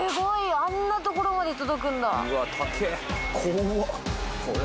あんな所まで届くんだ。